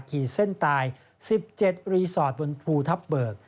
ขีดเส้นตาย๑๗รีสอร์ทบนภูทับเบิก